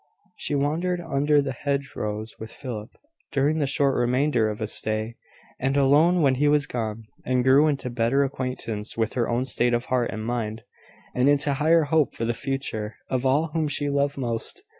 She wandered under the hedgerows with Philip, during the short remainder of his stay, and alone when he was gone; and grew into better acquaintance with her own state of heart and mind, and into higher hope for the future of all whom she loved most.